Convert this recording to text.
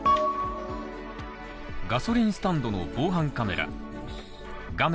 ガソリンスタンドの防犯カメラ画面